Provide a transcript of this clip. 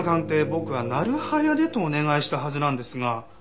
僕はなる早でとお願いしたはずなんですが。